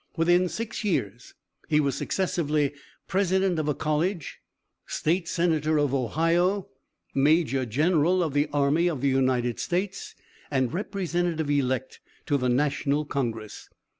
Within six years he was successively President of a College, State Senator of Ohio, Major General of the Army of the United States and Representative elect to the National Congress.